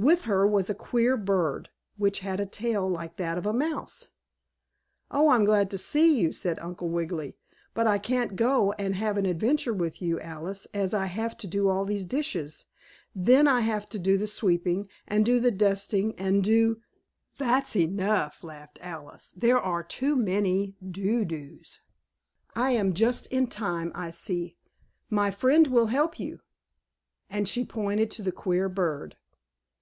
With her was a queer bird, which had a tail like that of a mouse. "Oh, I'm glad to see you!" said Uncle Wiggily. "But I can't go and have an adventure with you, Alice, as I have to do all these dishes. Then I have to do the sweeping and do the dusting and do " "That's enough!" laughed Alice. "There are too many Do dos. I am just in time, I see. My friend will help you," and she pointed to the queer bird.